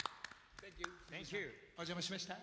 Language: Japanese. お邪魔しました。